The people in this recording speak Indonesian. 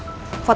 iya masuk nih